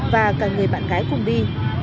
và cả người bạn gái cùng đi